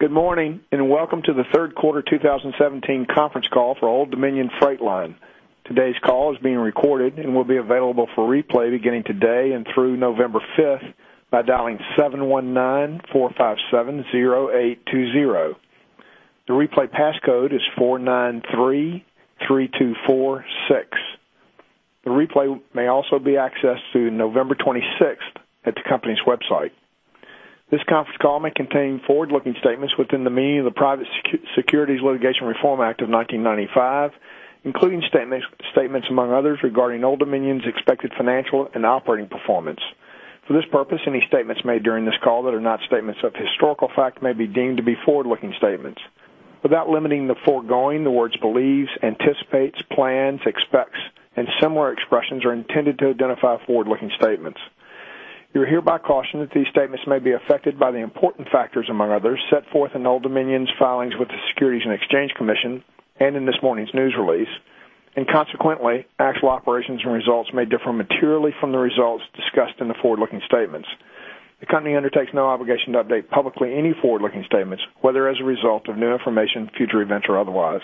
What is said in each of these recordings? Good morning. Welcome to the third quarter 2017 conference call for Old Dominion Freight Line. Today's call is being recorded and will be available for replay beginning today and through November 5th by dialing 719-457-0820. The replay passcode is 4933246. The replay may also be accessed through November 26th at the company's website. This conference call may contain forward-looking statements within the meaning of the Private Securities Litigation Reform Act of 1995, including statements among others regarding Old Dominion's expected financial and operating performance. For this purpose, any statements made during this call that are not statements of historical fact may be deemed to be forward-looking statements. Without limiting the foregoing, the words believes, anticipates, plans, expects, and similar expressions are intended to identify forward-looking statements. You are hereby cautioned that these statements may be affected by the important factors, among others, set forth in Old Dominion's filings with the Securities and Exchange Commission. Consequently, actual operations and results may differ materially from the results discussed in the forward-looking statements. The company undertakes no obligation to update publicly any forward-looking statements, whether as a result of new information, future events, or otherwise.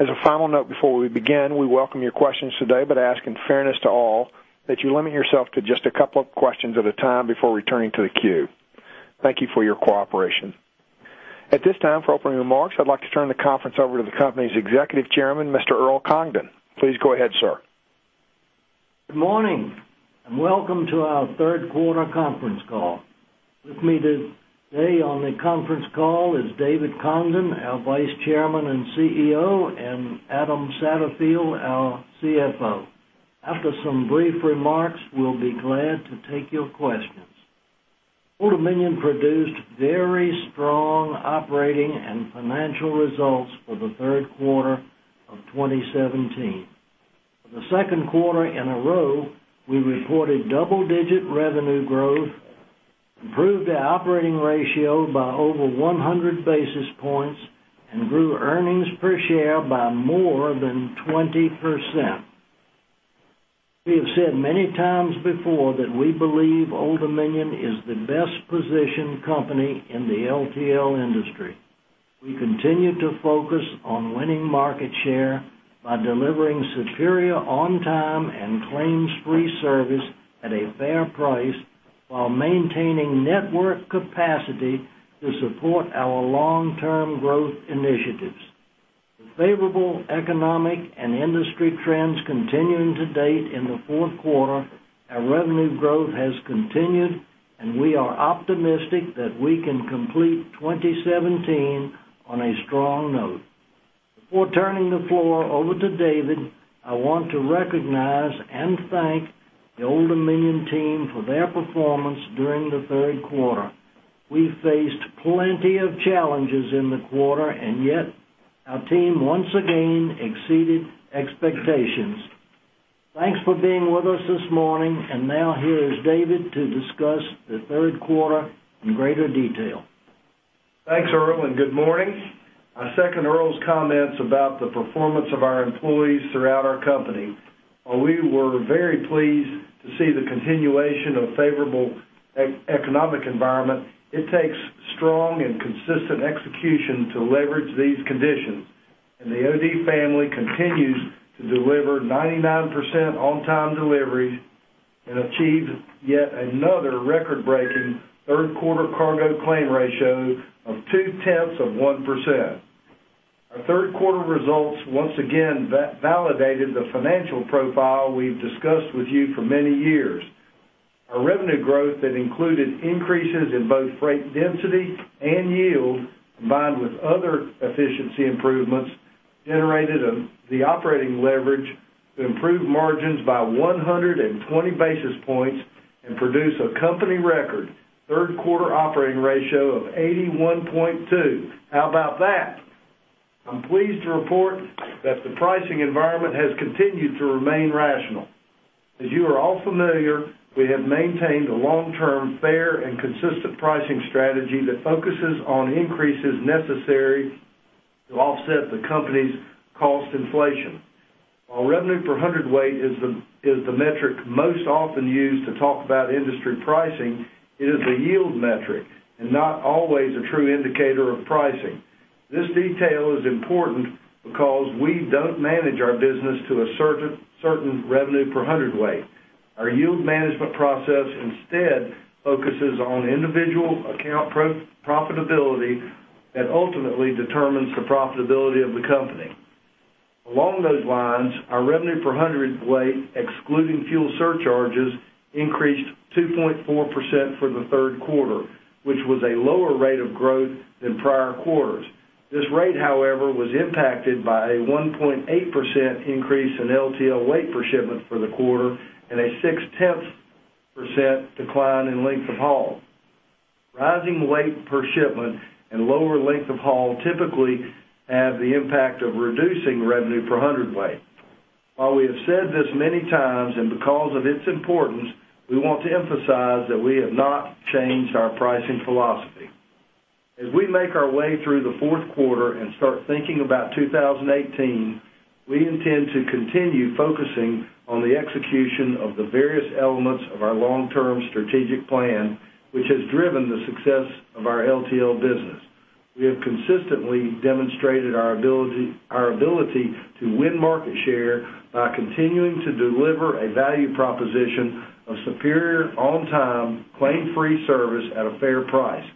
As a final note, before we begin, we welcome your questions today. Ask in fairness to all that you limit yourself to just a couple of questions at a time before returning to the queue. Thank you for your cooperation. At this time, for opening remarks, I'd like to turn the conference over to the company's Executive Chairman, Mr. Earl Congdon. Please go ahead, sir. Good morning. Welcome to our third quarter conference call. With me today on the conference call is David Congdon, our Vice Chairman and CEO, and Adam Satterfield, our CFO. After some brief remarks, we'll be glad to take your questions. Old Dominion produced very strong operating and financial results for the third quarter of 2017. For the second quarter in a row, we reported double-digit revenue growth, improved our operating ratio by over 100 basis points, and grew earnings per share by more than 20%. We have said many times before that we believe Old Dominion is the best-positioned company in the LTL industry. We continue to focus on winning market share by delivering superior on-time and claims-free service at a fair price while maintaining network capacity to support our long-term growth initiatives. With favorable economic and industry trends continuing to date in the fourth quarter, our revenue growth has continued. We are optimistic that we can complete 2017 on a strong note. Before turning the floor over to David, I want to recognize and thank the Old Dominion team for their performance during the third quarter. We faced plenty of challenges in the quarter. Yet our team once again exceeded expectations. Thanks for being with us this morning. Now here is David to discuss the third quarter in greater detail. Thanks, Earl, and good morning. I second Earl's comments about the performance of our employees throughout our company. While we were very pleased to see the continuation of a favorable economic environment, it takes strong and consistent execution to leverage these conditions, and the OD family continues to deliver 99% on-time deliveries and achieve yet another record-breaking third quarter cargo claim ratio of 2/10 of 1%. Our third quarter results once again validated the financial profile we've discussed with you for many years. Our revenue growth that included increases in both freight density and yield, combined with other efficiency improvements, generated the operating leverage to improve margins by 120 basis points and produce a company record third quarter operating ratio of 81.2. How about that? I'm pleased to report that the pricing environment has continued to remain rational. As you are all familiar, we have maintained a long-term, fair, and consistent pricing strategy that focuses on increases necessary to offset the company's cost inflation. While revenue per hundredweight is the metric most often used to talk about industry pricing, it is a yield metric and not always a true indicator of pricing. This detail is important because we don't manage our business to a certain revenue per hundredweight. Our yield management process instead focuses on individual account profitability that ultimately determines the profitability of the company. Along those lines, our revenue per hundredweight, excluding fuel surcharges, increased 2.4% for the third quarter, which was a lower rate of growth than prior quarters. This rate, however, was impacted by a 1.8% increase in LTL weight per shipment for the quarter and a 6/10% decline in length of haul. Rising weight per shipment and lower length of haul typically have the impact of reducing revenue per hundredweight. While we have said this many times and because of its importance, we want to emphasize that we have not changed our pricing philosophy. As we make our way through the fourth quarter and start thinking about 2018 We intend to continue focusing on the execution of the various elements of our long-term strategic plan, which has driven the success of our LTL business. We have consistently demonstrated our ability to win market share by continuing to deliver a value proposition of superior on-time, claim-free service at a fair price.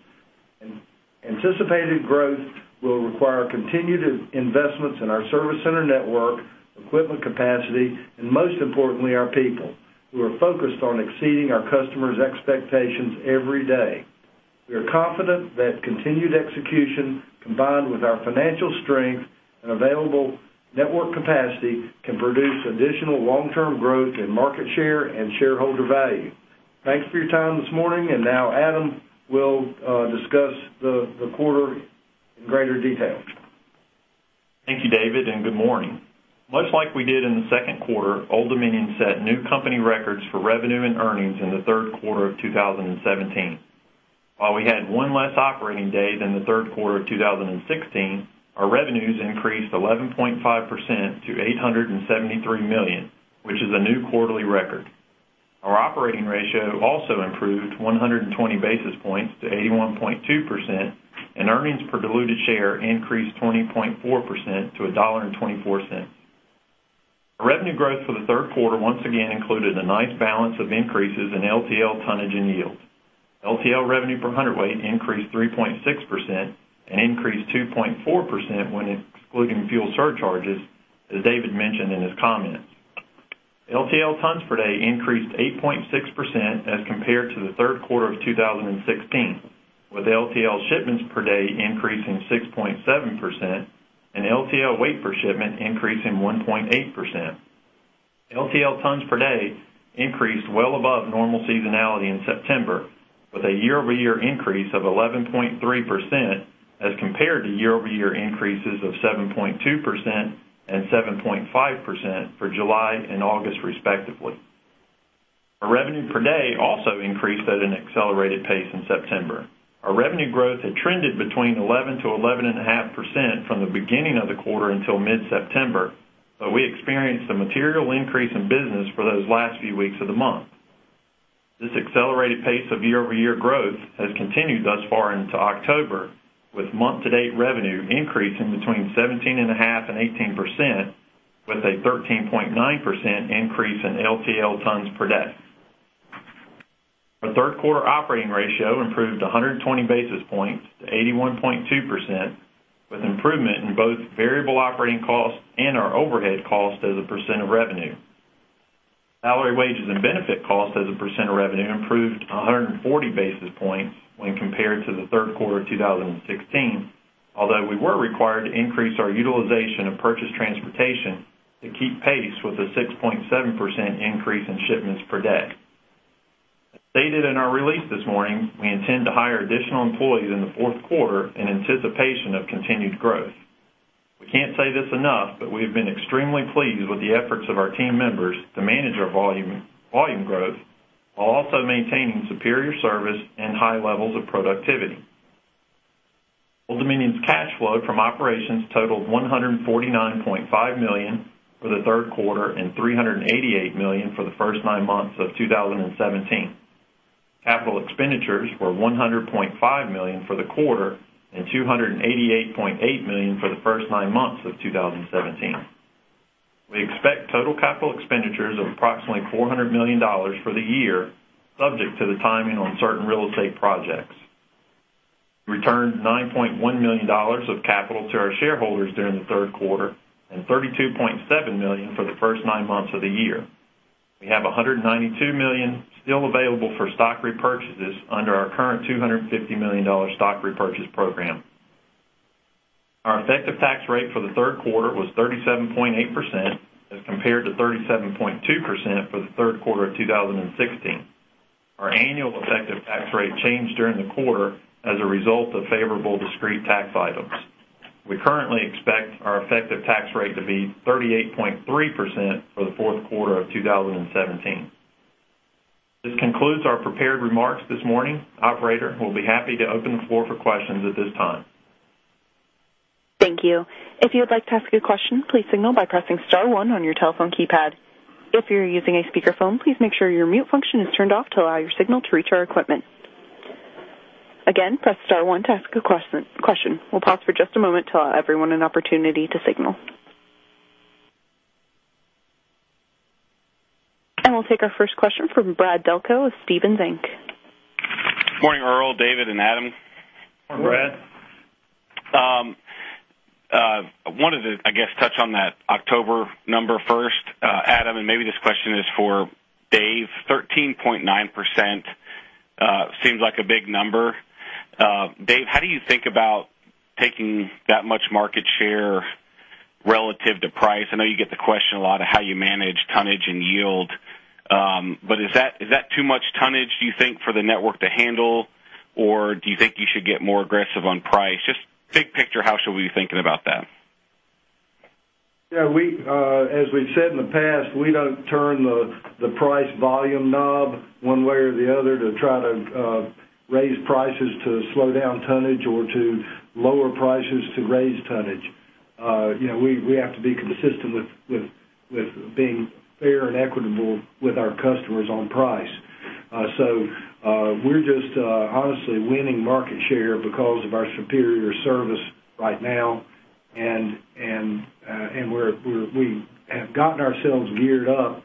Anticipated growth will require continued investments in our service center network, equipment capacity, and most importantly, our people. We are focused on exceeding our customers' expectations every day. We are confident that continued execution, combined with our financial strength and available network capacity, can produce additional long-term growth in market share and shareholder value. Thanks for your time this morning, and now Adam will discuss the quarter in greater detail. Thank you, David, and good morning. Much like we did in the second quarter, Old Dominion set new company records for revenue and earnings in the third quarter of 2017. While we had one less operating day than the third quarter of 2016, our revenues increased 11.5% to $873 million, which is a new quarterly record. Our operating ratio also improved 120 basis points to 81.2%, and earnings per diluted share increased 20.4% to $1.24. Our revenue growth for the third quarter once again included a nice balance of increases in LTL tonnage and yields. LTL revenue per hundredweight increased 3.6% and increased 2.4% when excluding fuel surcharges, as David mentioned in his comments. LTL tons per day increased 8.6% as compared to the third quarter of 2016, with LTL shipments per day increasing 6.7% and LTL weight per shipment increasing 1.8%. LTL tons per day increased well above normal seasonality in September, with a year-over-year increase of 11.3% as compared to year-over-year increases of 7.2% and 7.5% for July and August respectively. Our revenue per day also increased at an accelerated pace in September. Our revenue growth had trended between 11%-11.5% from the beginning of the quarter until mid-September, we experienced a material increase in business for those last few weeks of the month. This accelerated pace of year-over-year growth has continued thus far into October, with month-to-date revenue increasing between 17.5% and 18%, with a 13.9% increase in LTL tons per day. Our third quarter operating ratio improved 120 basis points to 81.2%, with improvement in both variable operating costs and our overhead costs as a percent of revenue. Salary, wages, and benefit costs as a percent of revenue improved 140 basis points when compared to the third quarter of 2016. Although we were required to increase our utilization of purchased transportation to keep pace with a 6.7% increase in shipments per day. As stated in our release this morning, we intend to hire additional employees in the fourth quarter in anticipation of continued growth. We can't say this enough, but we have been extremely pleased with the efforts of our team members to manage our volume growth while also maintaining superior service and high levels of productivity. Old Dominion's cash flow from operations totaled $149.5 million for the third quarter and $388 million for the first nine months of 2017. Capital expenditures were $100.5 million for the quarter and $288.8 million for the first nine months of 2017. We expect total capital expenditures of approximately $400 million for the year, subject to the timing on certain real estate projects. We returned $9.1 million of capital to our shareholders during the third quarter and $32.7 million for the first nine months of the year. We have $192 million still available for stock repurchases under our current $250 million stock repurchase program. Our effective tax rate for the third quarter was 37.8%, as compared to 37.2% for the third quarter of 2016. Our annual effective tax rate changed during the quarter as a result of favorable discrete tax items. We currently expect our effective tax rate to be 38.3% for the fourth quarter of 2017. This concludes our prepared remarks this morning. Operator, we'll be happy to open the floor for questions at this time. Thank you. If you would like to ask a question, please signal by pressing *1 on your telephone keypad. If you're using a speakerphone, please make sure your mute function is turned off to allow your signal to reach our equipment. Again, press *1 to ask a question. We'll pause for just a moment to allow everyone an opportunity to signal. We'll take our first question from Brad Delco with Stephens Inc. Morning, Earl, David, and Adam. Morning. Morning, Brad. I wanted to, I guess, touch on that October number first, Adam, and maybe this question is for Dave. 13.9% seems like a big number. Dave, how do you think about taking that much market share relative to price? I know you get the question a lot of how you manage tonnage and yield. Is that too much tonnage, do you think, for the network to handle, or do you think you should get more aggressive on price? Just big picture, how should we be thinking about that? As we've said in the past, we don't turn the price volume knob one way or the other to try to raise prices to slow down tonnage or to lower prices to raise tonnage. We have to be consistent with being fair and equitable with our customers on price. We're just honestly winning market share because of our superior service right now, and we have gotten ourselves geared up.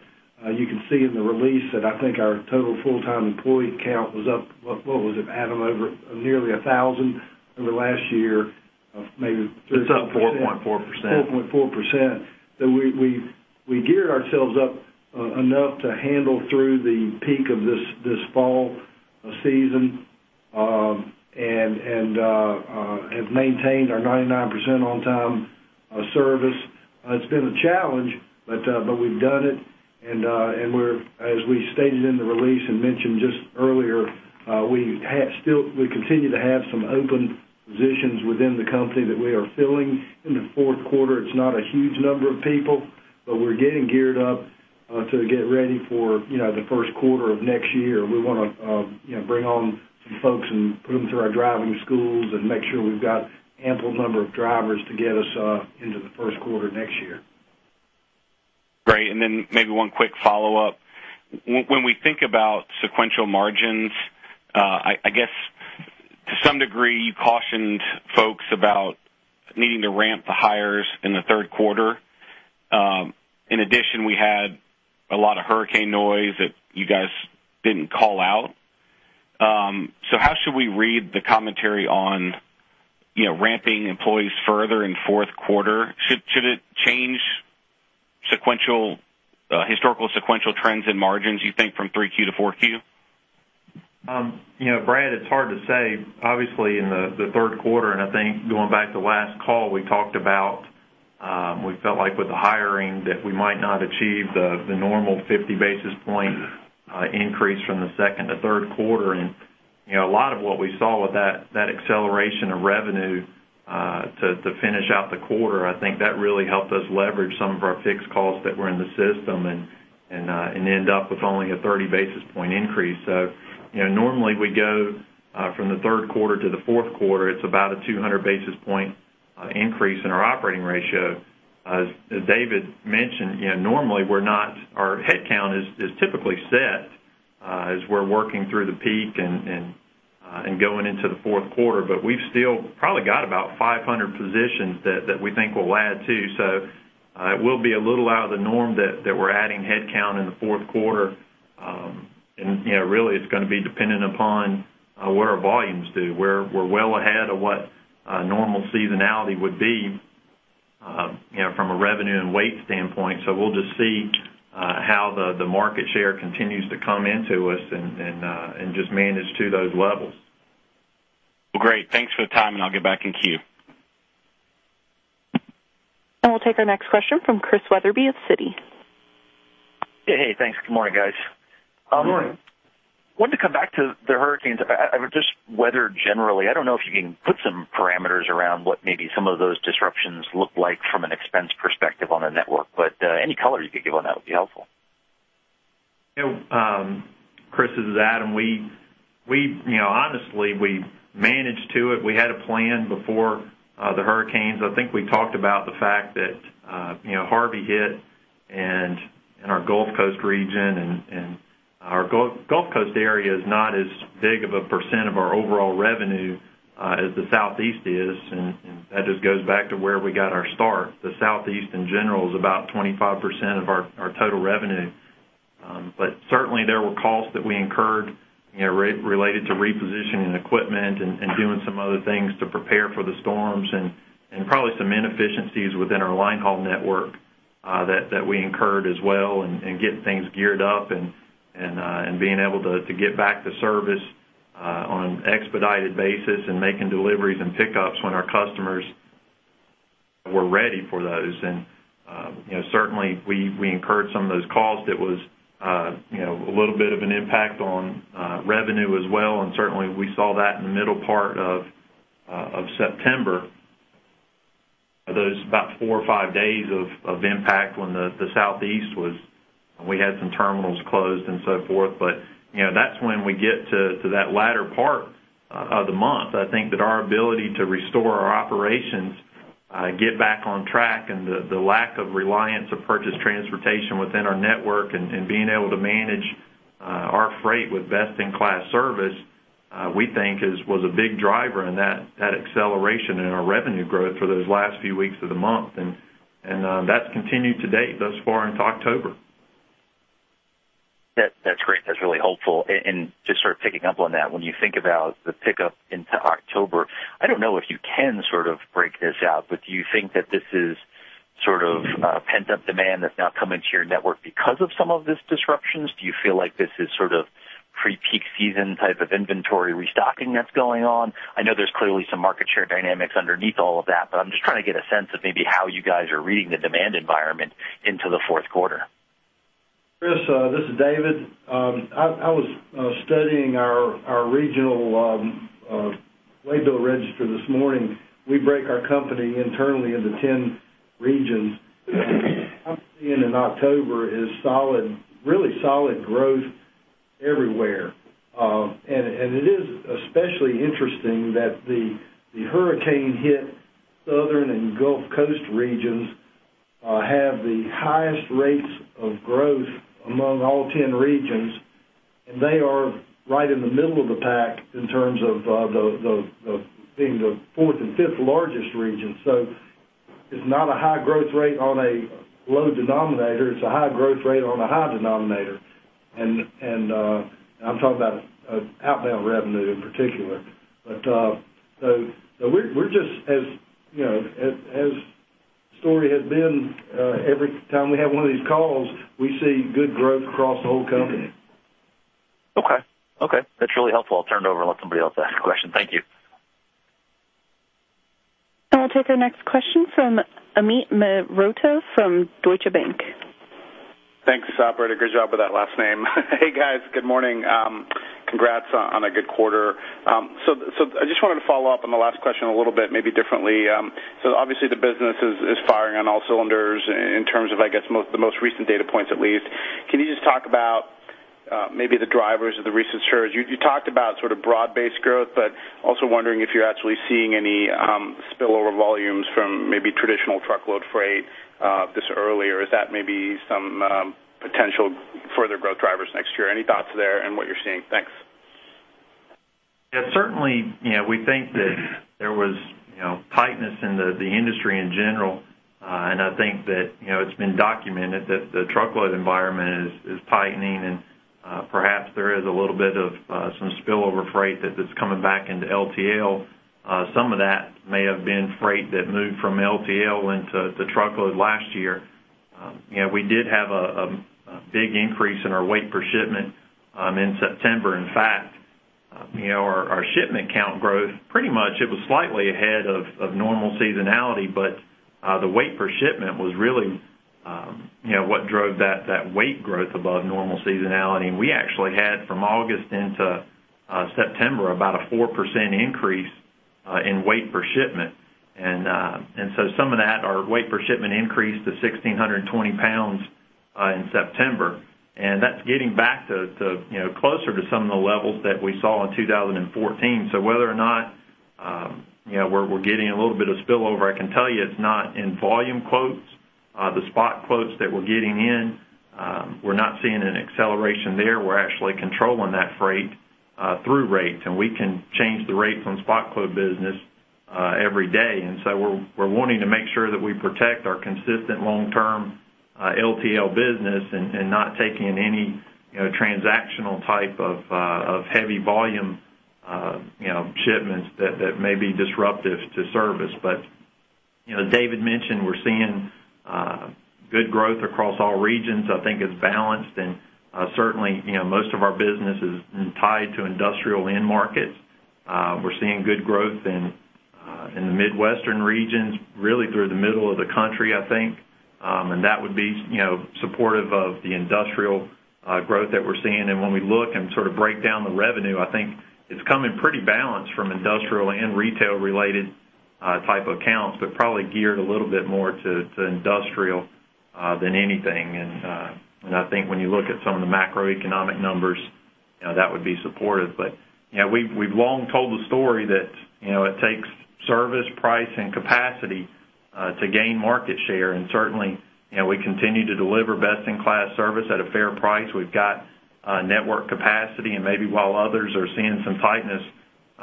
You can see in the release that I think our total full-time employee count was up, what was it, Adam, over nearly 1,000 over last year of maybe- It's up 4.4%. 4.4%. We geared ourselves up enough to handle through the peak of this fall season, and have maintained our 99% on time service. It's been a challenge, but we've done it, and as we stated in the release and mentioned just earlier, we continue to have some open positions within the company that we are filling in the fourth quarter. It's not a huge number of people, but we're getting geared up to get ready for the first quarter of next year. We want to bring on some folks and put them through our driving schools and make sure we've got ample number of drivers to get us into the first quarter next year. Great. Maybe one quick follow-up. When we think about sequential margins, I guess to some degree, you cautioned folks about needing to ramp the hires in the third quarter. In addition, we had a lot of hurricane noise that you guys didn't call out. How should we read the commentary on ramping employees further in fourth quarter? Should it change historical sequential trends and margins, you think, from three Q to four Q? Brad, it's hard to say. Obviously, in the third quarter, I think going back to last call, we talked about we felt like with the hiring that we might not achieve the normal 50 basis point increase from the second to third quarter. A lot of what we saw with that acceleration of revenue to finish out the quarter, I think that really helped us leverage some of our fixed costs that were in the system and end up with only a 30 basis point increase. Normally we go from the third quarter to the fourth quarter, it's about a 200 basis point increase in our operating ratio. As David mentioned, normally our head count is typically set as we're working through the peak and going into the fourth quarter. We've still probably got about 500 positions that we think we'll add to. It will be a little out of the norm that we're adding head count in the fourth quarter. Really it's going to be dependent upon what our volumes do. We're well ahead of what a normal seasonality would be from a revenue and weight standpoint. We'll just see how the market share continues to come into us and just manage to those levels. Great. Thanks for the time, and I'll get back in queue. We'll take our next question from Christian Wetherbee of Citi. Hey. Thanks. Good morning, guys. Good morning. Wanted to come back to the hurricanes. Just weather generally. I don't know if you can put some parameters around what maybe some of those disruptions look like from an expense perspective on the network, but any color you could give on that would be helpful. Chris, this is Adam. Honestly, we managed to it. We had a plan before the hurricanes. I think we talked about the fact that Harvey hit in our Gulf Coast region, and our Gulf Coast area is not as big of a percent of our overall revenue as the Southeast is, and that just goes back to where we got our start. The Southeast in general is about 25% of our total revenue. Certainly there were costs that we incurred related to repositioning equipment and doing some other things to prepare for the storms, and probably some inefficiencies within our line haul network that we incurred as well, and getting things geared up and being able to get back to service on expedited basis and making deliveries and pickups when our customers were ready for those. Certainly we incurred some of those costs that was a little bit of an impact on revenue as well. Certainly we saw that in the middle part of September, those about four or five days of impact when the Southeast was, we had some terminals closed and so forth. That's when we get to that latter part of the month. I think that our ability to restore our operations, get back on track, and the lack of reliance of purchased transportation within our network and being able to manage our freight with best-in-class service, we think was a big driver in that acceleration in our revenue growth for those last few weeks of the month. That's continued to date thus far into October. That's great. That's really helpful. Just sort of picking up on that, when you think about the pickup into October, I don't know if you can sort of break this out, do you think that this is sort of pent-up demand that's now coming to your network because of some of this disruptions? Do you feel like this is sort of pre-peak season type of inventory restocking that's going on? I know there's clearly some market share dynamics underneath all of that, I'm just trying to get a sense of maybe how you guys are reading the demand environment into the fourth quarter. Chris, this is David. I was studying our regional waybill register this morning. We break our company internally into 10 regions. I've seen in October is really solid growth everywhere. It is especially interesting that the hurricane-hit Southern and Gulf Coast regions have the highest rates of growth among all 10 regions, and they are right in the middle of the pack in terms of being the fourth and fifth largest region. It's not a high growth rate on a low denominator. It's a high growth rate on a high denominator. I'm talking about outbound revenue in particular. We're just as the story has been every time we have one of these calls, we see good growth across the whole company. Okay. That's really helpful. I'll turn it over and let somebody else ask a question. Thank you. I'll take our next question from Amit Mehrotra from Deutsche Bank. Thanks, operator. Good job with that last name. Hey, guys. Good morning. Congrats on a good quarter. I just wanted to follow up on the last question a little bit, maybe differently. Obviously, the business is firing on all cylinders in terms of, I guess, the most recent data points at least. Can you just talk about maybe the drivers of the recent surge? You talked about sort of broad-based growth, but also wondering if you're actually seeing any spillover volumes from maybe traditional truckload freight this early, or is that maybe some potential further growth drivers next year? Any thoughts there on what you're seeing? Thanks. Certainly, we think that there was tightness in the industry in general. I think that it's been documented that the truckload environment is tightening and perhaps there is a little bit of some spillover freight that is coming back into LTL. Some of that may have been freight that moved from LTL into truckload last year. We did have a big increase in our weight per shipment in September. In fact, our shipment count growth, pretty much it was slightly ahead of normal seasonality, but the weight per shipment was really what drove that weight growth above normal seasonality. We actually had, from August into September, about a 4% increase in weight per shipment. Some of that, our weight per shipment increased to 1,620 pounds in September. That's getting back closer to some of the levels that we saw in 2014. Whether or not we're getting a little bit of spillover, I can tell you it's not in volume quotes. The spot quotes that we're getting in, we're not seeing an acceleration there. We're actually controlling that freight through rates, and we can change the rate from spot quote business every day. We're wanting to make sure that we protect our consistent long-term LTL business and not take in any transactional type of heavy volume shipments that may be disruptive to service. As David mentioned, we're seeing good growth across all regions. I think it's balanced and certainly, most of our business is tied to industrial end markets. We're seeing good growth in the Midwestern regions, really through the middle of the country, I think. That would be supportive of the industrial growth that we're seeing. When we look and sort of break down the revenue, I think it's coming pretty balanced from industrial and retail-related type accounts, but probably geared a little bit more to industrial than anything. I think when you look at some of the macroeconomic numbers, that would be supportive. We've long told the story that it takes service, price, and capacity to gain market share. Certainly, we continue to deliver best-in-class service at a fair price. We've got network capacity, and maybe while others are seeing some tightness,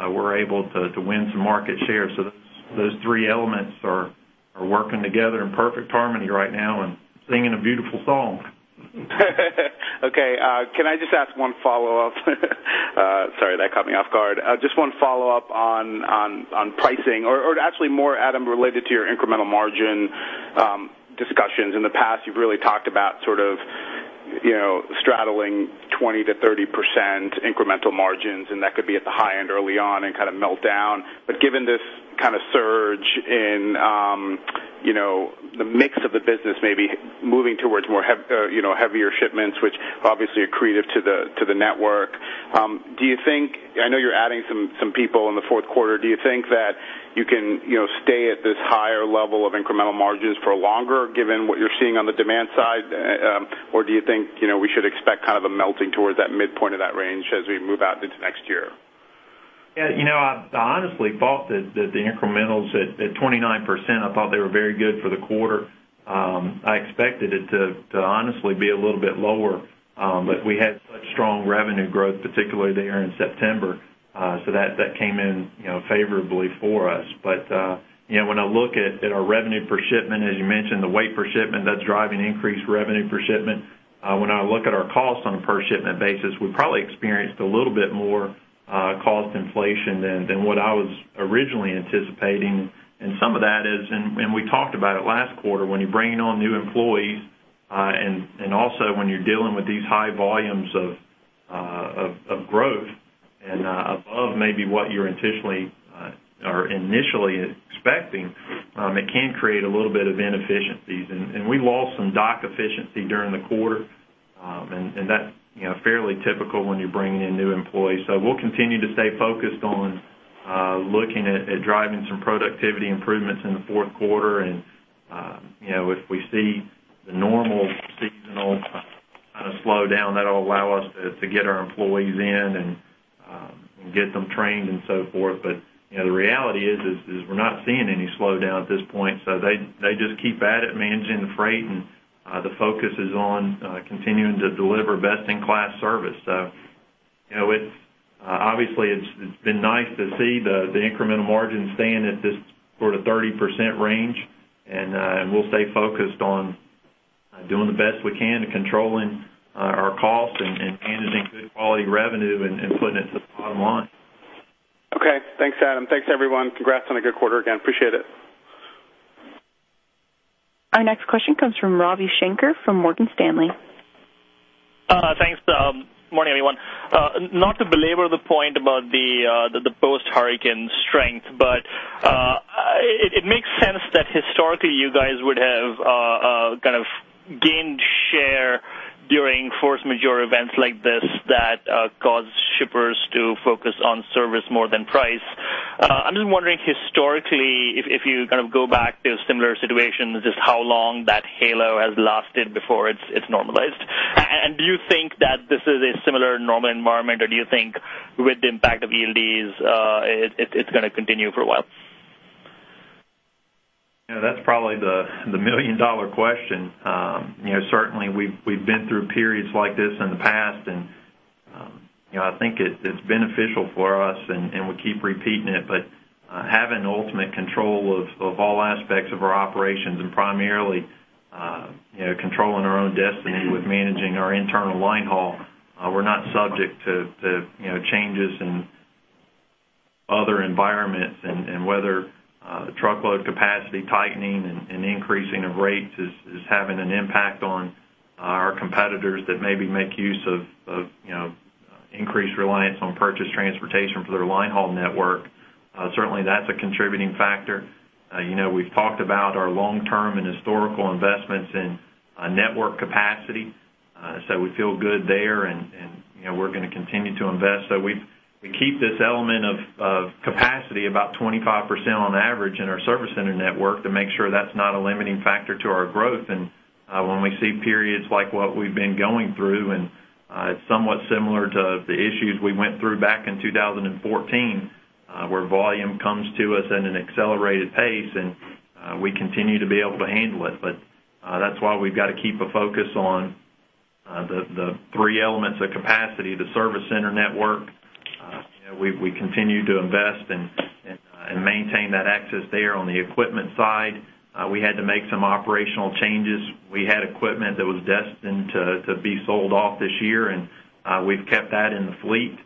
we're able to win some market share. Those three elements are working together in perfect harmony right now and singing a beautiful song. Okay. Can I just ask one follow-up? Sorry, that caught me off guard. Just one follow-up on pricing or actually more, Adam, related to your incremental margin discussions. In the past, you've really talked about sort of straddling 20%-30% incremental margins, and that could be at the high end early on and kind of melt down. Given this kind of surge in the mix of the business, maybe moving towards heavier shipments, which obviously are accretive to the network, I know you're adding some people in the fourth quarter. Do you think that you can stay at this higher level of incremental margins for longer, given what you're seeing on the demand side? Or do you think we should expect a melting towards that midpoint of that range as we move out into next year? Yeah. I honestly thought that the incrementals at 29%, I thought they were very good for the quarter. I expected it to honestly be a little bit lower. We had such strong revenue growth, particularly there in September. That came in favorably for us. When I look at our revenue per shipment, as you mentioned, the weight per shipment, that's driving increased revenue per shipment. When I look at our cost on a per shipment basis, we probably experienced a little bit more cost inflation than what I was originally anticipating. Some of that is, and we talked about it last quarter, when you're bringing on new employees, and also when you're dealing with these high volumes of growth above maybe what you're initially expecting, it can create a little bit of inefficiencies. We lost some dock efficiency during the quarter, and that's fairly typical when you're bringing in new employees. We'll continue to stay focused on looking at driving some productivity improvements in the fourth quarter. If we see the normal seasonal slowdown, that'll allow us to get our employees in and get them trained and so forth. The reality is we're not seeing any slowdown at this point, they just keep at it, managing the freight, and the focus is on continuing to deliver best-in-class service. Obviously, it's been nice to see the incremental margin staying at this sort of 30% range, and we'll stay focused on doing the best we can to controlling our costs and managing good quality revenue and putting it to the bottom line. Okay. Thanks, Adam. Thanks, everyone. Congrats on a good quarter again. Appreciate it. Our next question comes from Ravi Shanker from Morgan Stanley. Thanks. Morning, everyone. Not to belabor the point about the post-hurricane strength, it makes sense that historically you guys would have gained share during force majeure events like this that cause shippers to focus on service more than price. I'm just wondering, historically, if you go back to similar situations, just how long that halo has lasted before it's normalized. Do you think that this is a similar normal environment, or do you think with the impact of ELDs, it's going to continue for a while? That's probably the million-dollar question. Certainly, we've been through periods like this in the past, I think it's beneficial for us, we keep repeating it. Having ultimate control of all aspects of our operations and primarily controlling our own destiny with managing our internal line haul, we're not subject to changes in other environments and whether truckload capacity tightening and increasing of rates is having an impact on our competitors that maybe make use of increased reliance on purchased transportation for their line haul network. Certainly, that's a contributing factor. We've talked about our long-term and historical investments in network capacity. We feel good there, we're going to continue to invest. We keep this element of capacity about 25% on average in our service center network to make sure that's not a limiting factor to our growth. When we see periods like what we've been going through, it's somewhat similar to the issues we went through back in 2014, where volume comes to us at an accelerated pace, we continue to be able to handle it. That's why we've got to keep a focus on the three elements of capacity, the service center network. We continue to invest and maintain that access there. On the equipment side, we had to make some operational changes. We had equipment that was destined to be sold off this year, we've kept that in the fleet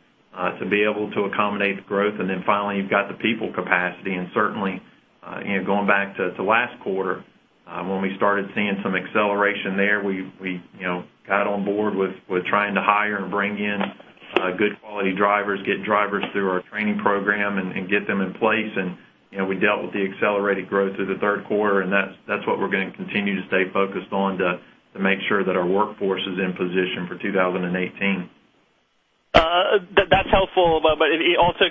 to be able to accommodate the growth. Finally, you've got the people capacity, certainly, going back to last quarter when we started seeing some acceleration there, we got on board with trying to hire and bring in good quality drivers, get drivers through our training program and get them in place. We dealt with the accelerated growth through the third quarter, that's what we're going to continue to stay focused on to make sure that our workforce is in position for 2018. That's helpful. Also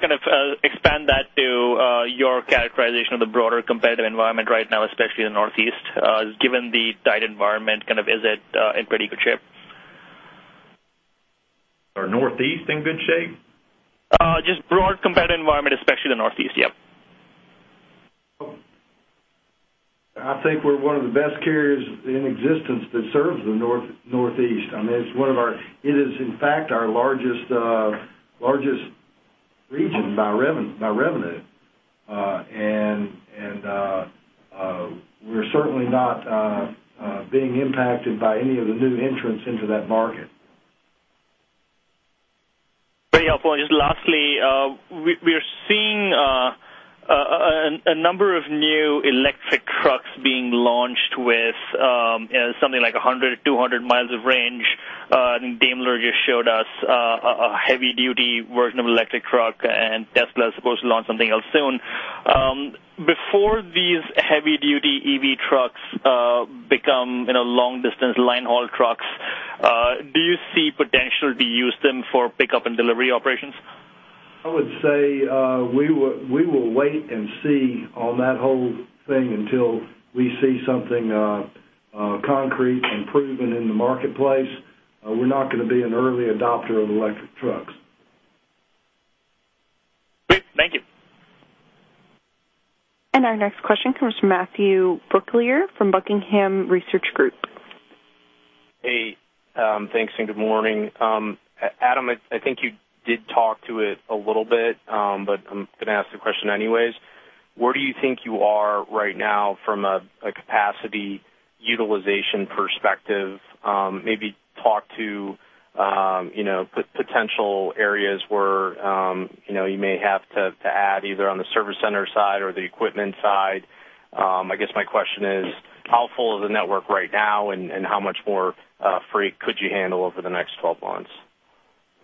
expand that to your characterization of the broader competitive environment right now, especially in the Northeast. Given the tight environment, is it in pretty good shape? Is our Northeast in good shape? Just broad competitive environment, especially the Northeast. Yep. I think we're one of the best carriers in existence that serves the Northeast. It is, in fact, our largest region by revenue. We're certainly not being impacted by any of the new entrants into that market. Very helpful. Just lastly, we are seeing a number of new electric trucks being launched with something like 100, 200 miles of range. Daimler just showed us a heavy-duty version of electric truck, and Tesla is supposed to launch something else soon. Before these heavy-duty EV trucks become long-distance line haul trucks, do you see potential to use them for pickup and delivery operations? I would say we will wait and see on that whole thing until we see something concrete and proven in the marketplace. We're not going to be an early adopter of electric trucks. Great. Thank you. Our next question comes from Matthew Brooklier from Buckingham Research Group. Thanks, and good morning. Adam, I think you did talk to it a little bit, but I'm going to ask the question anyways. Where do you think you are right now from a capacity utilization perspective? Maybe talk to potential areas where you may have to add either on the service center side or the equipment side I guess my question is, how full is the network right now, and how much more freight could you handle over the next 12 months?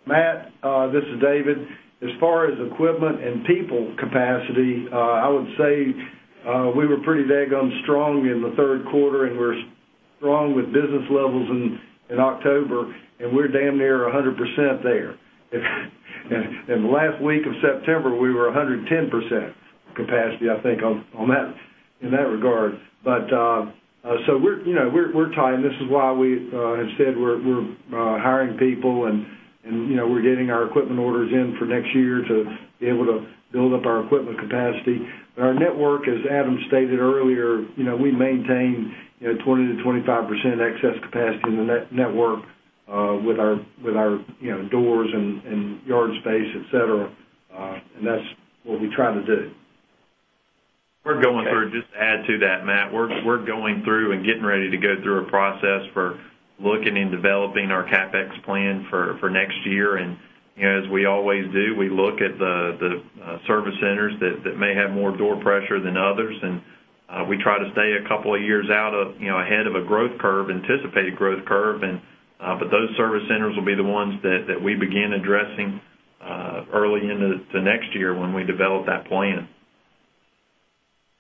Matt, this is David. As far as equipment and people capacity, I would say we were pretty strong in the third quarter, and we're strong with business levels in October, and we're damn near 100% there. In the last week of September, we were 110% capacity, I think, on that, in that regard. We're tied, and this is why we said we're hiring people and we're getting our equipment orders in for next year to be able to build up our equipment capacity. Our network, as Adam stated earlier, we maintain 20%-25% excess capacity in the network with our doors and yard space, et cetera. That's what we try to do. Just to add to that, Matt, we're going through and getting ready to go through a process for looking and developing our CapEx plan for next year. As we always do, we look at the service centers that may have more door pressure than others. We try to stay 2 years out of ahead of a growth curve, anticipated growth curve. Those service centers will be the ones that we begin addressing early into the next year when we develop that plan.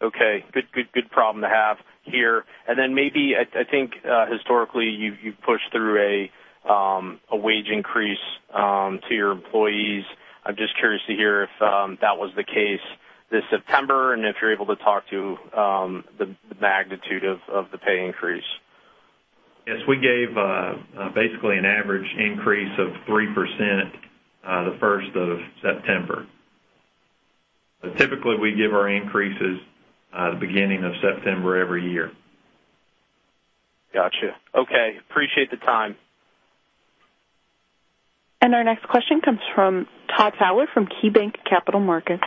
Okay. Good problem to have here. Then maybe, I think, historically, you've pushed through a wage increase to your employees. I'm just curious to hear if that was the case this September and if you're able to talk to the magnitude of the pay increase. Yes, we gave basically an average increase of 3% the first of September. Typically, we give our increases the beginning of September every year. Got you. Okay. Appreciate the time. Our next question comes from Todd Fowler from KeyBanc Capital Markets.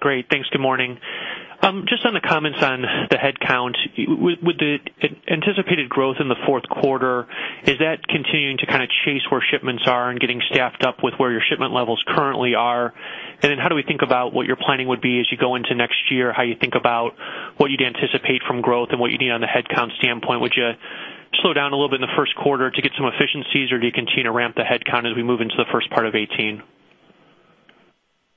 Great. Thanks. Good morning. Just on the comments on the headcount. With the anticipated growth in the fourth quarter, is that continuing to chase where shipments are and getting staffed up with where your shipment levels currently are? How do we think about what your planning would be as you go into next year? How you think about what you'd anticipate from growth and what you need on the headcount standpoint? Would you slow down a little bit in the first quarter to get some efficiencies, do you continue to ramp the headcount as we move into the first part of 2018?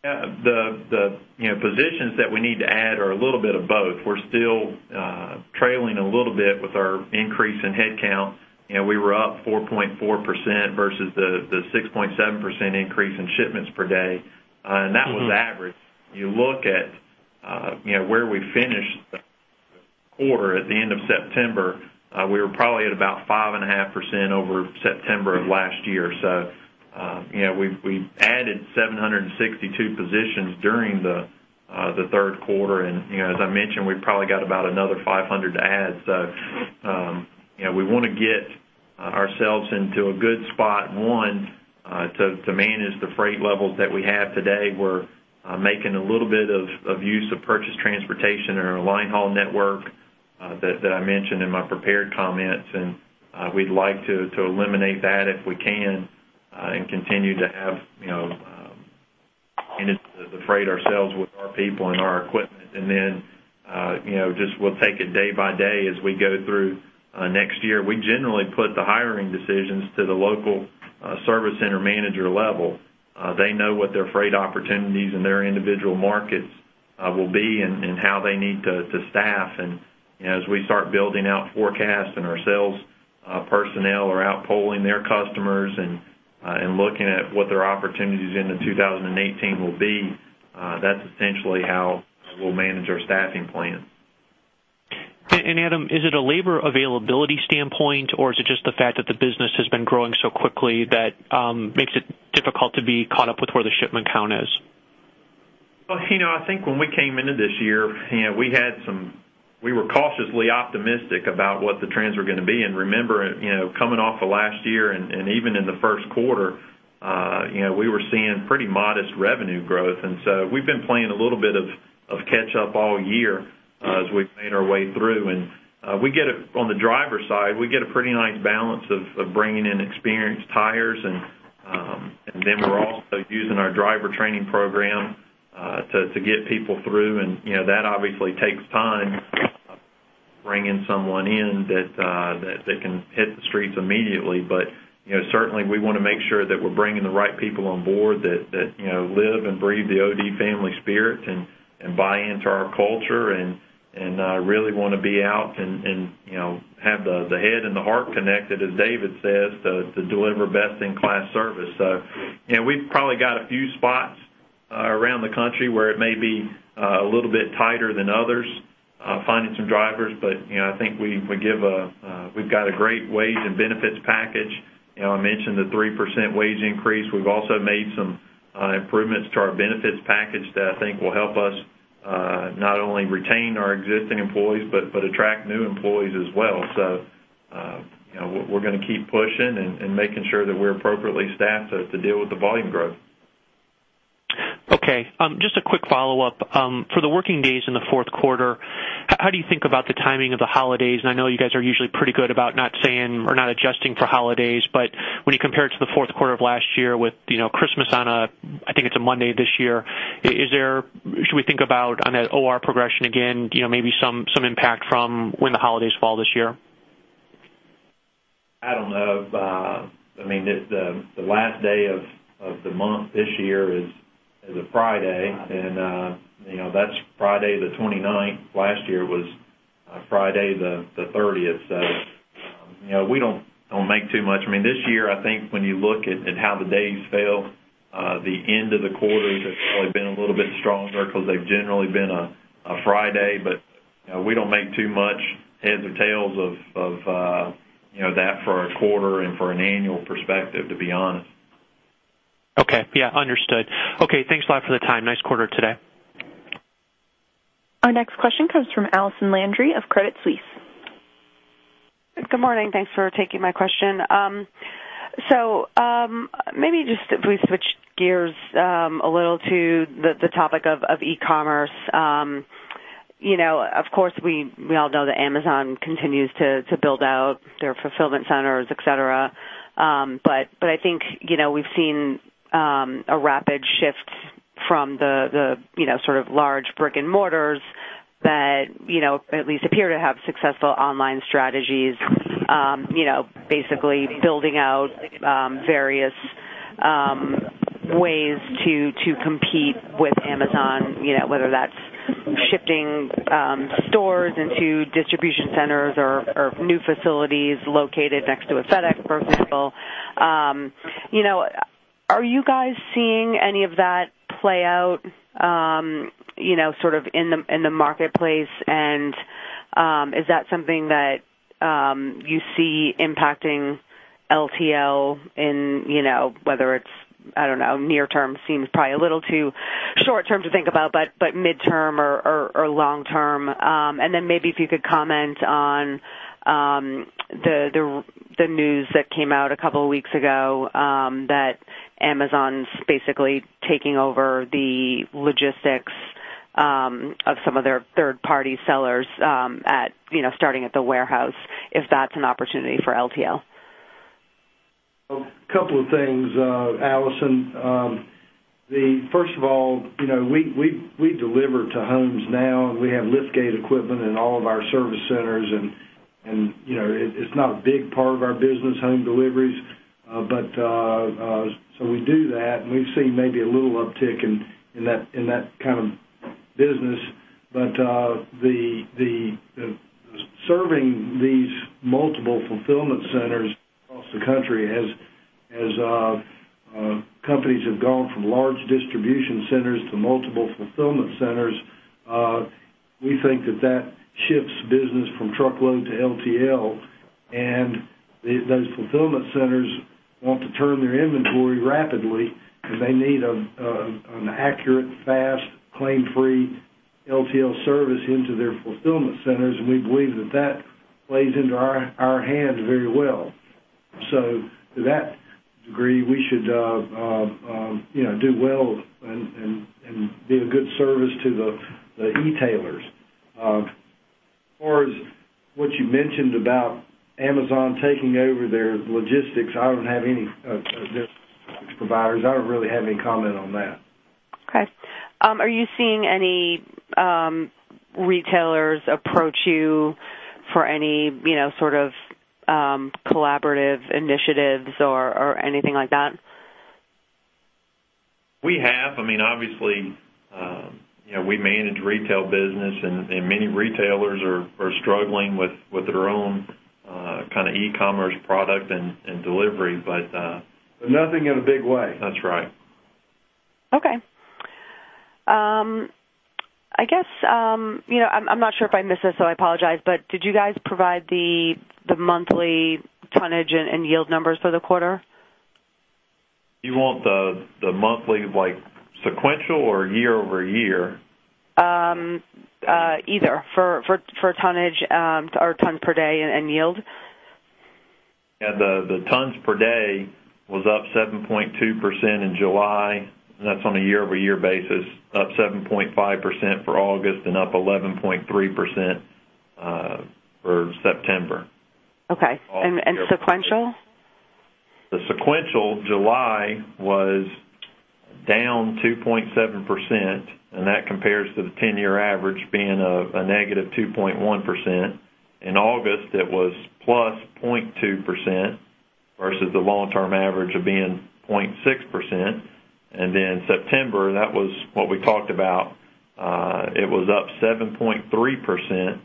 The positions that we need to add are a little bit of both. We're still trailing a little bit with our increase in headcount. We were up 4.4% versus the 6.7% increase in shipments per day. That was average. You look at where we finished the quarter at the end of September, we were probably at about 5.5% over September of last year. We added 762 positions during the third quarter. As I mentioned, we probably got about another 500 to add. We want to get ourselves into a good spot, one, to manage the freight levels that we have today. We're making a little bit of use of purchased transportation in our line haul network that I mentioned in my prepared comments, and we'd like to eliminate that if we can and continue to have the freight ourselves with our people and our equipment. Just we'll take it day by day as we go through next year. We generally put the hiring decisions to the local service center manager level. They know what their freight opportunities in their individual markets will be and how they need to staff. As we start building out forecasts and our sales personnel are out polling their customers and looking at what their opportunities into 2018 will be, that's essentially how we'll manage our staffing plan. Adam, is it a labor availability standpoint, or is it just the fact that the business has been growing so quickly that makes it difficult to be caught up with where the shipment count is? Well, I think when we came into this year, we were cautiously optimistic about what the trends were going to be. Remember, coming off of last year and even in the first quarter, we were seeing pretty modest revenue growth. So we've been playing a little bit of catch up all year as we've made our way through. On the driver side, we get a pretty nice balance of bringing in experienced hires, and then we're also using our driver training program to get people through. That obviously takes time bringing someone in that can hit the streets immediately. Certainly, we want to make sure that we're bringing the right people on board that live and breathe the OD family spirit and buy into our culture and really want to be out and have the head and the heart connected, as David says, to deliver best-in-class service. We've probably got a few spots around the country where it may be a little bit tighter than others finding some drivers, but I think we've got a great wage and benefits package. I mentioned the 3% wage increase. We've also made some improvements to our benefits package that I think will help us not only retain our existing employees but attract new employees as well. We're going to keep pushing and making sure that we're appropriately staffed to deal with the volume growth. Okay. Just a quick follow-up. For the working days in the fourth quarter, how do you think about the timing of the holidays? I know you guys are usually pretty good about not saying or not adjusting for holidays, when you compare it to the fourth quarter of last year with Christmas on a, I think it's a Monday this year. Should we think about on that OR progression again, maybe some impact from when the holidays fall this year? I don't know. The last day of the month this year is a Friday, and that's Friday the 29th. Last year it was Friday the 30th. We don't make too much. This year, I think when you look at how the days fell, the end of the quarters has probably been a little bit stronger because they've generally been a Friday. We don't make too much heads or tails of that for a quarter and for an annual perspective, to be honest. Okay. Yeah, understood. Okay, thanks a lot for the time. Nice quarter today. Our next question comes from Allison Landry of Credit Suisse. Good morning. Thanks for taking my question. Maybe just if we switch gears a little to the topic of e-commerce. Of course, we all know that Amazon continues to build out their fulfillment centers, et cetera. I think we've seen a rapid shift from the sort of large brick and mortars that at least appear to have successful online strategies. Basically building out various ways to compete with Amazon, whether that's shifting stores into distribution centers or new facilities located next to a FedEx, for example. Are you guys seeing any of that play out sort of in the marketplace? Is that something that you see impacting LTL in whether it's, I don't know, near term seems probably a little too short term to think about, but midterm or long term? maybe if you could comment on the news that came out a couple of weeks ago that Amazon's basically taking over the logistics of some of their third party sellers starting at the warehouse, if that's an opportunity for LTL. A couple of things, Allison. First of all, we deliver to homes now, and we have lift gate equipment in all of our service centers, and it's not a big part of our business, home deliveries. We do that, and we've seen maybe a little uptick in that kind of business. Serving these multiple fulfillment centers across the country as companies have gone from large distribution centers to multiple fulfillment centers, we think that that shifts business from truckload to LTL. Those fulfillment centers want to turn their inventory rapidly because they need an accurate, fast, claim-free LTL service into their fulfillment centers. We believe that that plays into our hands very well. To that degree, we should do well and be of good service to the e-tailers. As far as what you mentioned about Amazon taking over their logistics, I don't have any providers. I don't really have any comment on that. Okay. Are you seeing any retailers approach you for any sort of collaborative initiatives or anything like that? We have. Obviously, we manage retail business, and many retailers are struggling with their own kind of e-commerce product and delivery. Nothing in a big way. That's right. Okay. I guess, I'm not sure if I missed this, so I apologize, but did you guys provide the monthly tonnage and yield numbers for the quarter? You want the monthly like sequential or year-over-year? Either. For tonnage or tons per day and yield. Yeah. The tons per day was up 7.2% in July. That's on a year-over-year basis. Up 7.5% for August and up 11.3% for September. Okay. Sequential? The sequential July was down 2.7%. That compares to the 10-year average being a negative 2.1%. In August, it was plus 0.2% versus the long-term average of being 0.6%. September, that was what we talked about. It was up 7.3%,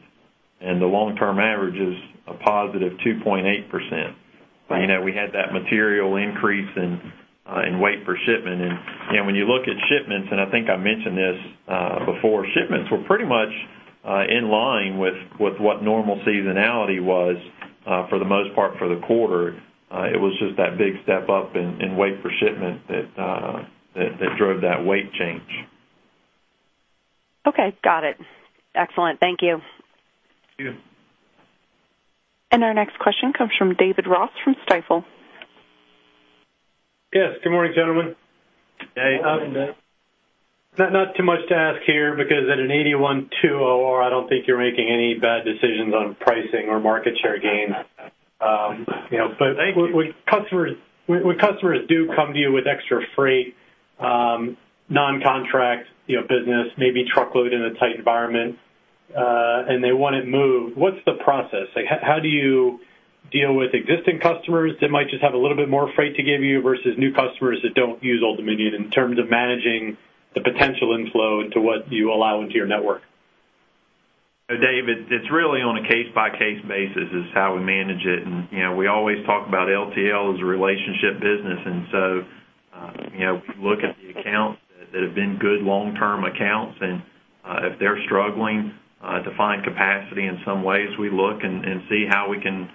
and the long-term average is a positive 2.8%. Right. We had that material increase in weight per shipment. When you look at shipments, and I think I mentioned this before, shipments were pretty much in line with what normal seasonality was for the most part for the quarter. It was just that big step up in weight per shipment that drove that weight change. Okay. Got it. Excellent. Thank you. Thank you. Our next question comes from David Ross from Stifel. Yes. Good morning, gentlemen. Good morning, David. Not too much to ask here because at an 81.20 OR, I don't think you're making any bad decisions on pricing or market share gains. Thank you. When customers do come to you with extra freight, non-contract business, maybe truckload in a tight environment, and they want it moved, what's the process? How do you deal with existing customers that might just have a little bit more freight to give you versus new customers that don't use Old Dominion in terms of managing the potential inflow into what you allow into your network? David, it's really on a case-by-case basis is how we manage it. We always talk about LTL as a relationship business. If we look at the accounts that have been good long-term accounts and if they're struggling to find capacity in some ways, we look and see how we can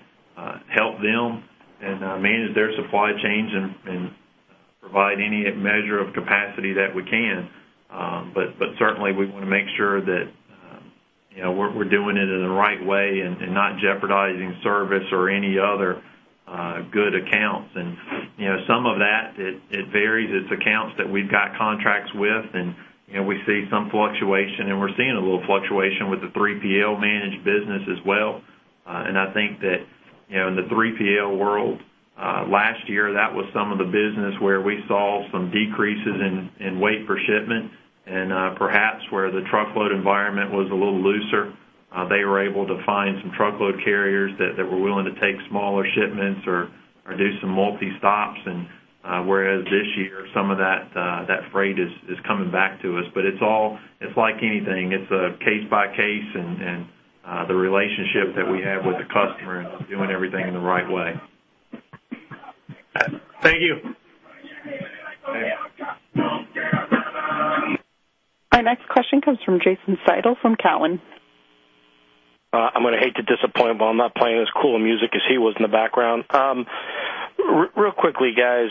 help them and manage their supply chains and provide any measure of capacity that we can. Certainly, we want to make sure that we're doing it in the right way and not jeopardizing service or any other good accounts. Some of that, it varies. It's accounts that we've got contracts with, and we see some fluctuation, and we're seeing a little fluctuation with the 3PL-managed business as well. I think that in the 3PL world, last year, that was some of the business where we saw some decreases in weight per shipment. Perhaps where the truckload environment was a little looser, they were able to find some truckload carriers that were willing to take smaller shipments or do some multi-stops. Whereas this year, some of that freight is coming back to us. It's like anything, it's a case-by-case, and the relationship that we have with the customer and doing everything in the right way. Thank you. Yeah. Our next question comes from Jason Seidl from Cowen. I'm going to hate to disappoint, but I'm not playing as cool music as he was in the background. Quickly, guys,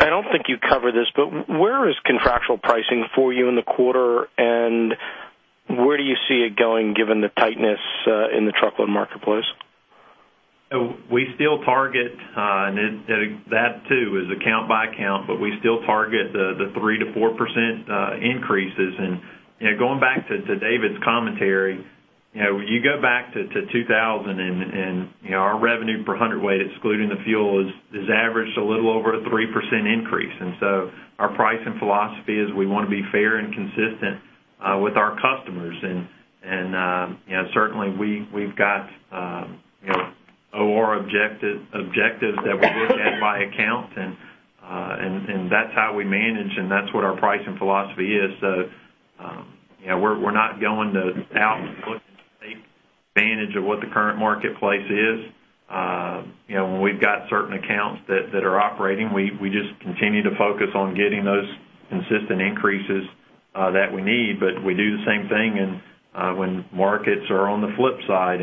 I don't think you covered this, but where is contractual pricing for you in the quarter, and where do you see it going given the tightness in the truckload marketplace? We still target, and that too is account by account, but we still target the 3%-4% increases. Going back to David's commentary, when you go back to 2000 and our revenue per hundredweight, excluding the fuel, has averaged a little over a 3% increase. Our pricing philosophy is we want to be fair and consistent with our customers. Certainly, we've got OR objectives that we look at by account, and that's how we manage, and that's what our pricing philosophy is. We're not going to out and look to take advantage of what the current marketplace is. When we've got certain accounts that are operating, we just continue to focus on getting those consistent increases that we need. We do the same thing when markets are on the flip side.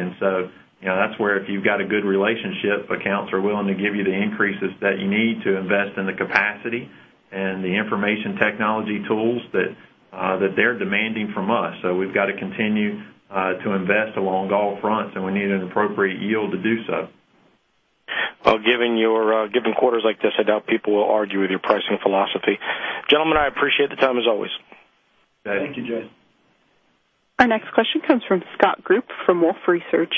That's where if you've got a good relationship, accounts are willing to give you the increases that you need to invest in the capacity and the information technology tools that they're demanding from us. We've got to continue to invest along all fronts, and we need an appropriate yield to do so. Well, given quarters like this, I doubt people will argue with your pricing philosophy. Gentlemen, I appreciate the time as always. Thank you, Jason. Our next question comes from Scott Group from Wolfe Research.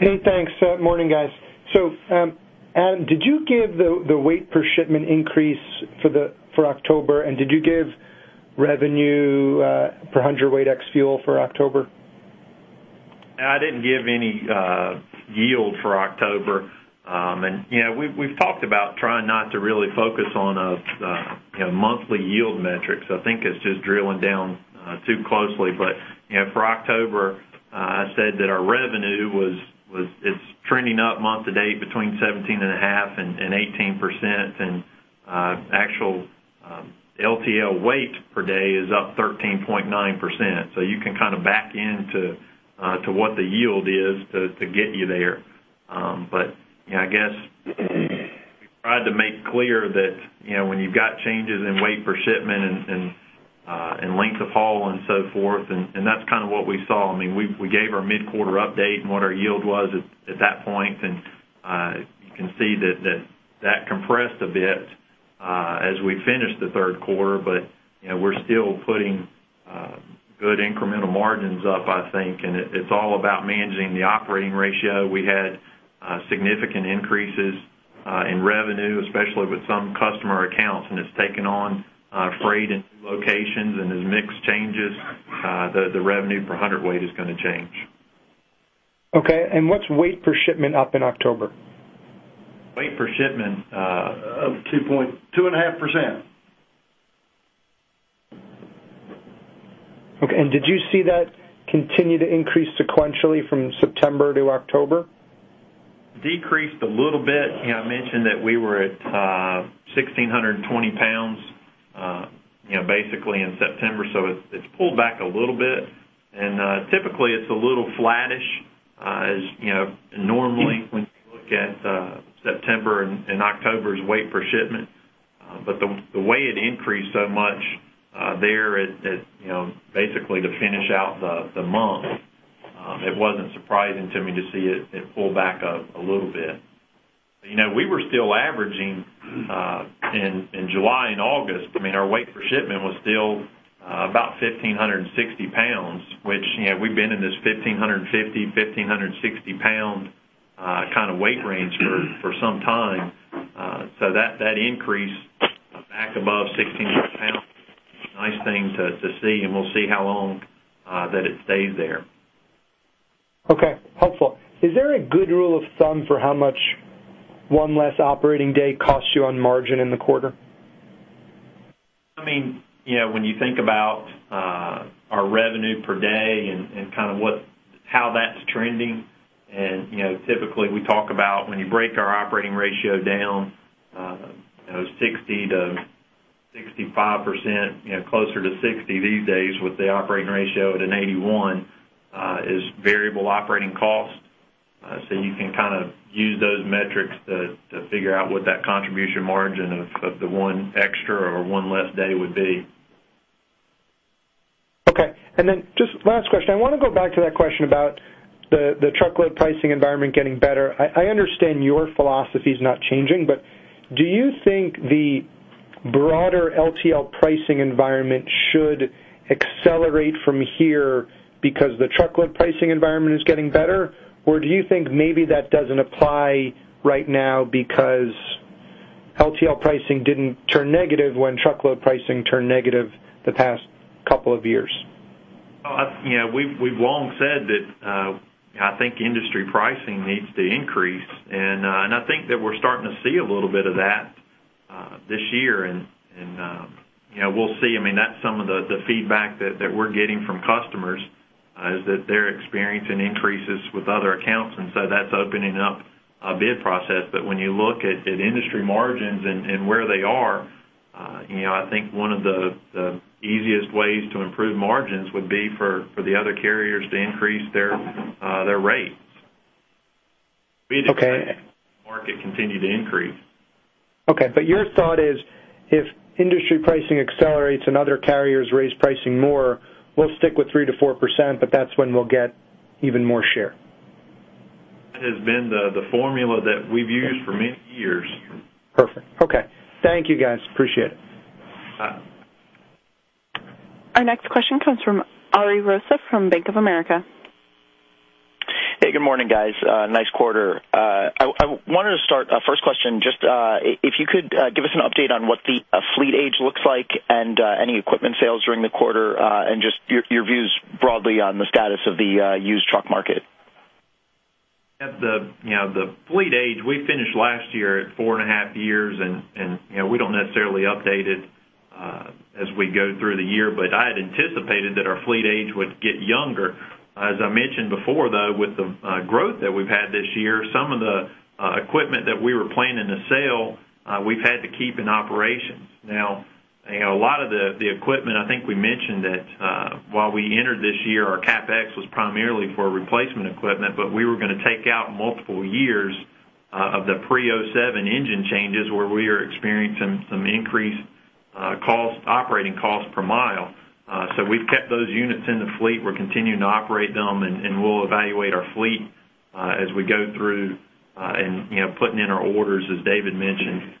Hey, thanks. Morning, guys. Adam, did you give the weight per shipment increase for October and did you give revenue per hundredweight ex-fuel for October? I didn't give any yield for October. We've talked about trying not to really focus on monthly yield metrics. I think it's just drilling down too closely. For October, I said that our revenue is trending up month to date between 17.5% and 18%, and actual LTL weight per day is up 13.9%. You can back into what the yield is to get you there. I guess we tried to make clear that when you've got changes in weight per shipment and length of haul and so forth, and that's what we saw. We gave our mid-quarter update and what our yield was at that point, and you can see that that compressed a bit as we finished the third quarter. We're still putting good incremental margins up, I think, and it's all about managing the operating ratio. We had significant increases in revenue, especially with some customer accounts, and it's taken on freight in locations, and as mix changes, the revenue per hundredweight is going to change. Okay, what's weight per shipment up in October? Weight per shipment up 2.5%. Okay, did you see that continue to increase sequentially from September to October? Decreased a little bit. I mentioned that we were at 1,620 pounds basically in September, so it's pulled back a little bit. Typically, it's a little flattish as normally when you look at September and October's weight per shipment The way it increased so much there, basically to finish out the month, it wasn't surprising to me to see it pull back up a little bit. We were still averaging in July and August, our weight per shipment was still about 1,560 pounds, which we've been in this 1,550, 1,560 pound weight range for some time. That increase back above 1,600 pounds is a nice thing to see, and we'll see how long that it stays there. Okay. Helpful. Is there a good rule of thumb for how much one less operating day costs you on margin in the quarter? When you think about our revenue per day and how that's trending, typically we talk about when you break our operating ratio down, 60%-65%, closer to 60% these days with the operating ratio at an 81%, is variable operating cost. You can use those metrics to figure out what that contribution margin of the one extra or one less day would be. Okay. Just last question. I want to go back to that question about the truckload pricing environment getting better. I understand your philosophy's not changing, do you think the broader LTL pricing environment should accelerate from here because the truckload pricing environment is getting better? Do you think maybe that doesn't apply right now because LTL pricing didn't turn negative when truckload pricing turned negative the past couple of years? We've long said that I think industry pricing needs to increase, I think that we're starting to see a little bit of that this year. We'll see. That's some of the feedback that we're getting from customers, is that they're experiencing increases with other accounts, that's opening up a bid process. When you look at industry margins and where they are, I think one of the easiest ways to improve margins would be for the other carriers to increase their rates. Okay. We expect market continue to increase. Okay. Your thought is, if industry pricing accelerates and other carriers raise pricing more, we'll stick with 3%-4%, but that's when we'll get even more share. That has been the formula that we've used for many years. Perfect. Okay. Thank you, guys. Appreciate it. Our next question comes from Ari Rosa from Bank of America. Hey, good morning, guys. Nice quarter. I wanted to start, first question, just if you could give us an update on what the fleet age looks like and any equipment sales during the quarter, and just your views broadly on the status of the used truck market. The fleet age, we finished last year at four and a half years, and we don't necessarily update it as we go through the year. I had anticipated that our fleet age would get younger. As I mentioned before, though, with the growth that we've had this year, some of the equipment that we were planning to sell, we've had to keep in operations. Now, a lot of the equipment, I think we mentioned that while we entered this year, our CapEx was primarily for replacement equipment, but we were going to take out multiple years of the pre-2007 engine changes where we are experiencing some increased operating cost per mile. We've kept those units in the fleet. We're continuing to operate them, and we'll evaluate our fleet as we go through and putting in our orders, as David mentioned,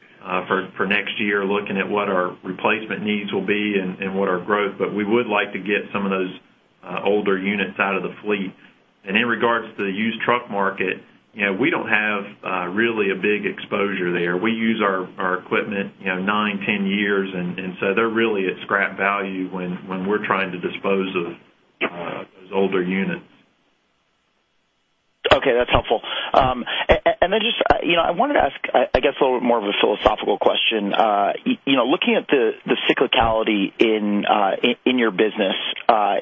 for next year, looking at what our replacement needs will be and what our growth. We would like to get some of those older units out of the fleet. In regards to the used truck market, we don't have really a big exposure there. We use our equipment nine, 10 years, they're really at scrap value when we're trying to dispose of those older units. Okay, that's helpful. Just I wanted to ask, I guess, a little bit more of a philosophical question. Looking at the cyclicality in your business,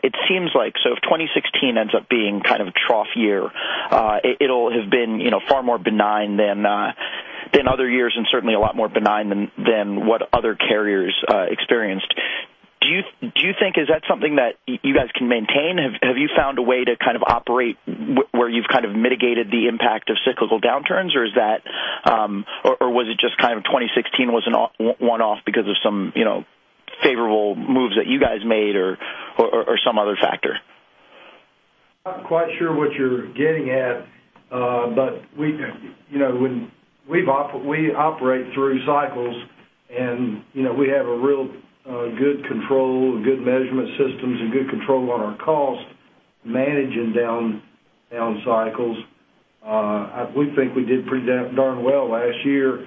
it seems like if 2016 ends up being a trough year, it'll have been far more benign than other years and certainly a lot more benign than what other carriers experienced. Do you think, is that something that you guys can maintain? Have you found a way to operate where you've mitigated the impact of cyclical downturns, or was it just 2016 was an one-off because of some favorable moves that you guys made or some other factor? Not quite sure what you're getting at. We operate through cycles, and we have a real good control, good measurement systems, and good control on our cost, managing down cycles. We think we did pretty darn well last year,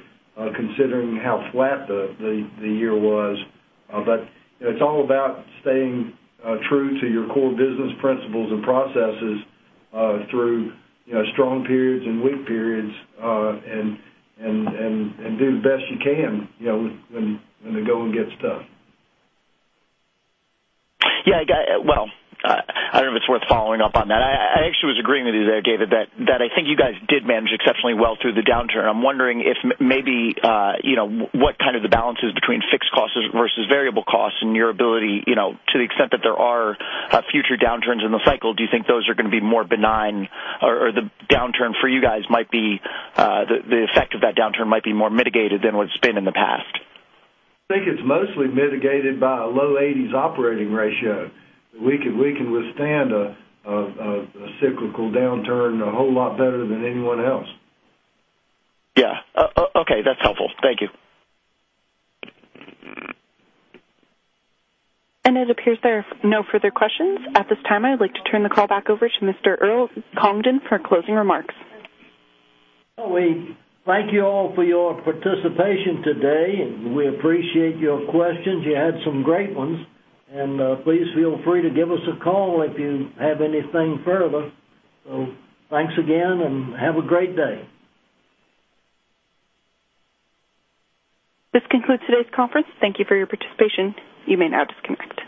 considering how flat the year was. It's all about staying true to your core business principles and processes through strong periods and weak periods, and do the best you can when the going gets tough. Well, I don't know if it's worth following up on that. I actually was agreeing with you there, David, that I think you guys did manage exceptionally well through the downturn. I'm wondering if maybe what the balance is between fixed costs versus variable costs and your ability, to the extent that there are future downturns in the cycle, do you think those are going to be more benign? The effect of that downturn might be more mitigated than what it's been in the past? I think it's mostly mitigated by a low 80s operating ratio. We can withstand a cyclical downturn a whole lot better than anyone else. Okay, that's helpful. Thank you. It appears there are no further questions. At this time, I would like to turn the call back over to Mr. Earl Congdon for closing remarks. Well, we thank you all for your participation today, and we appreciate your questions. You had some great ones. Please feel free to give us a call if you have anything further. Thanks again, and have a great day. This concludes today's conference. Thank you for your participation. You may now disconnect.